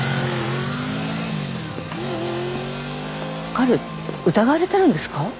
彼疑われてるんですか？